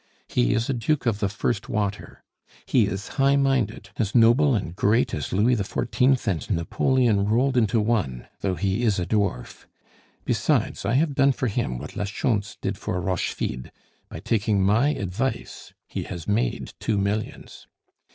He is a Duke of the first water. He is high minded, as noble and great as Louis XIV. and Napoleon rolled into one, though he is a dwarf. Besides, I have done for him what la Schontz did for Rochefide; by taking my advice he has made two millions.